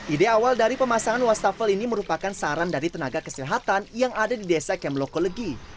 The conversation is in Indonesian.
ide awal dari pemasangan wastafel ini merupakan saran dari tenaga kesehatan yang ada di desa kemlokolegi